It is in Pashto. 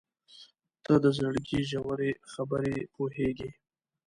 • ته د زړګي ژورې خبرې پوهېږې.